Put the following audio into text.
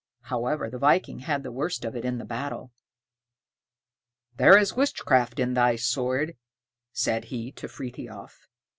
However, the viking had the worst of it in the battle. "There is witchcraft in thy sword," said he to Frithiof.